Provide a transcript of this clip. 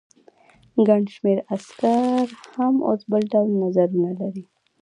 ګڼ شمېر عسکر هم اوس بل ډول نظرونه لري.